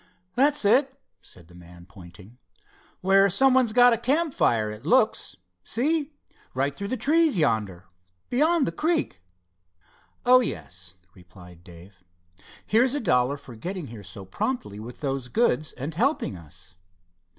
"That's it," said the man, pointing. "Where some one's got a campfire, it looks. See, right through the trees yonder, beyond the creek." "Oh, yes," replied Dave. "Here's a dollar for getting here so promptly with those goods, and helping us."